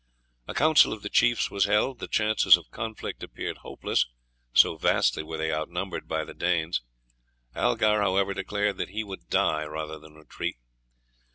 A council of the chiefs was held. The chances of conflict appeared hopeless, so vastly were they out numbered by the Danes. Algar, however, declared that he would die rather than retreat.